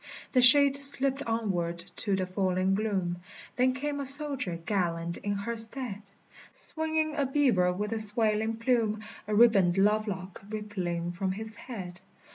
The shade slipped onward to the falling gloom; Then came a soldier gallant in her stead, Swinging a beaver with a swaling plume, A ribboned love lock rippling from his head.